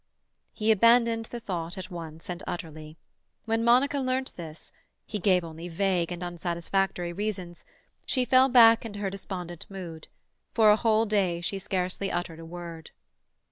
He abandoned the thought, at once and utterly. When Monica learnt this—he gave only vague and unsatisfactory reasons—she fell back into her despondent mood. For a whole day she scarcely uttered a word.